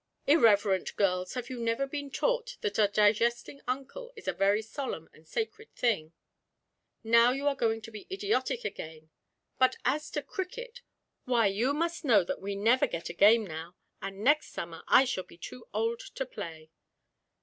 Irreverent girls, have you never been taught that a digesting uncle is a very solemn and sacred thing?' 'Now you are going to be idiotic again! But as to cricket why, you must know that we never get a game now! And next summer I shall be too old to play!'